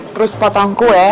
terus potong kue